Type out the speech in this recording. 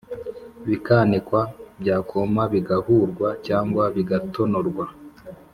bikanikwa, byakuma bigahurwa cyangwa bigatonorwa.